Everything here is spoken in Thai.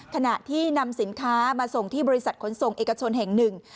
ขณะที่นำสินค้ามาส่งที่บริษัทขนส่งเอกชนแห่งหนึ่ง